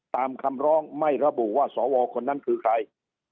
ตามคำร้องไม่ระบุว่าสวคนนั้นคือใคร